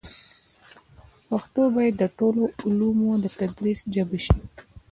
پښتو باید د ټولو علومو د تدریس ژبه شي.